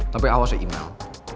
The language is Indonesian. tapi awas ya imel